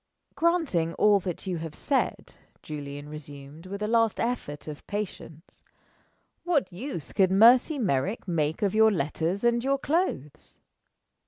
"Granting all that you have said," Julian resumed, with a last effort of patience, "what use could Mercy Merrick make of your letters and your clothes?"